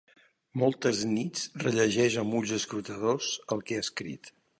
Moltes nits rellegeix amb ulls escrutadors el que ha escrit.